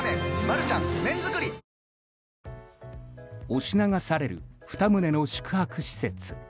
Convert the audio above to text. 押し流される２棟の宿泊施設。